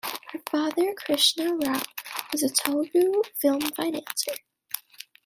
Her father, Krishna Rao, was a Telugu film financier.